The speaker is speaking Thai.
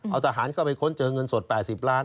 เอาทหารเข้าไปค้นเจอเงินสด๘๐ล้าน